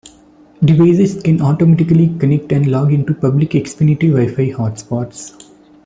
Devices can automatically connect and log into public Xfinity WiFi hotspots.